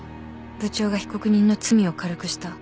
部長が被告人の罪を軽くした